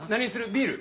ビール？